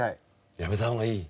やめた方がいい。